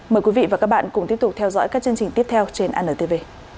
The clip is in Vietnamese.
mời quý vị và các bạn cùng tiếp tục theo dõi các chương trình tiếp theo trên antv